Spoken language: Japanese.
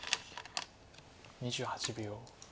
２８秒。